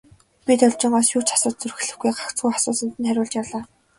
Би Должингоос юу ч асууж зүрхлэхгүй, гагцхүү асуусанд нь хариулж явлаа.